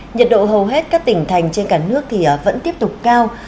nhiệt độ hầu hết các tỉnh thành trên cả nước vẫn tiếp tục cao